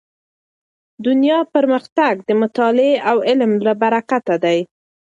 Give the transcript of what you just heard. دنیا پرمختګ د مطالعې او علم له برکته دی.